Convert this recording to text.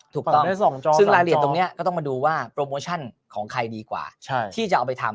ถูกต้องซึ่งรายละเอียดตรงนี้ก็ต้องมาดูว่าโปรโมชั่นของใครดีกว่าที่จะเอาไปทำ